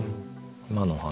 今のお話